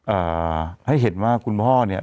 เอ่อให้เห็นว่าคุณพ่อเนี่ย